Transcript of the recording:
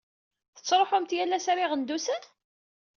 Tettṛuḥumt yal ass ɣer Iɣendusen?